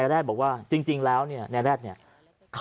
ชาวบ้านญาติโปรดแค้นไปดูภาพบรรยากาศขณะ